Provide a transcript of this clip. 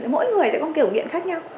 mỗi người sẽ có một kiểu nghiện khác nhau